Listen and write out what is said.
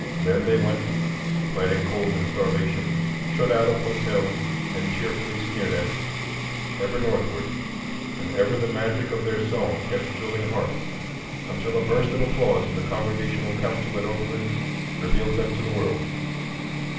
Then they went, fighting cold and starvation, shut out of hotels, and cheerfully sneered at, ever northward; and ever the magic of their song kept thrilling hearts, until a burst of applause in the Congregational Council at Oberlin revealed them to the world.